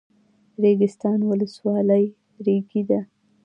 ریګستان ولسوالۍ ریګي ده؟